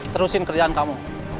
terusin kerjaan kamu